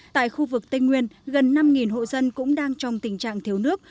tại khu vực tây nguyên gần năm hộ dân cũng đang trong tình trạng thiếu nước